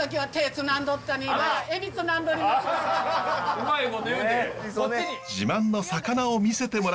うまいこと言うて。